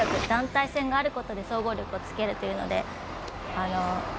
団体戦があることで総合力をつけるというので。